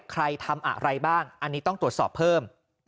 ใครทำอะไรบ้างอันนี้ต้องตรวจสอบเพิ่ม